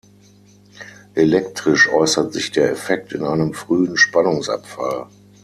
Elektrisch äußert sich der Effekt in einem frühen Spannungsabfall.